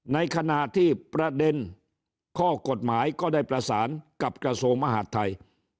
ในขณะที่ประเด็นข้อกฎหมายก็ได้ประสานกับกระทรวงมหาดไทย